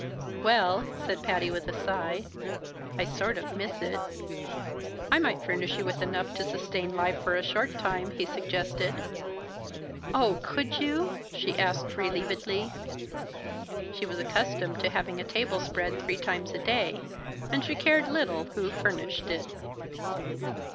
"Well," said Patty, with a sigh, "I sort of miss it." "I might furnish you with enough to sustain life for a short time," he suggested. "Oh, could you?" she asked relievedly. She was accustomed to having a table spread three times a day, and she cared little who furnished it.